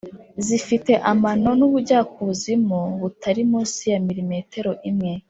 zifite amano n'ubujyakuzimu butari munsi ya milimetero imwe